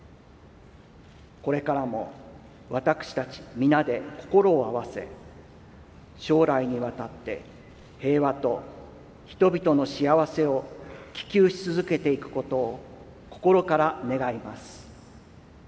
これからも私たち皆で心を合わせ、将来にわたって平和と人々の幸せを希求し続けていくことを心から願います。